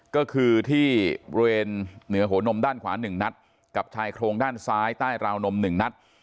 ก็คือที่บริเวณเหนือหัวนมด้านขวา๑นัดกับชายโครงด้านซ้ายใต้ราวนม๑นัด